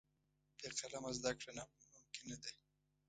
بې قلمه زده کړه ناممکنه ده.